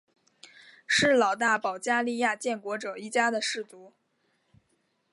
是老大保加利亚建国者一家的氏族。